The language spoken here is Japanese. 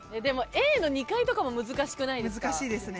でもＡの２階とかも難しくないですか？